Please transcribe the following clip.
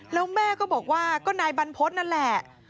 แล้วแม่ก็บอกว่าก็นายบรรพฤษนั่นแหละ